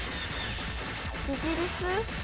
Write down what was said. イギリス？